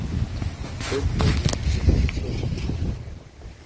tenpo ijo la mi jo ala e tenpo.